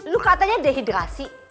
lu katanya dehidrasi